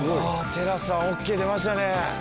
ＴＥＲＡさんＯＫ出ましたね。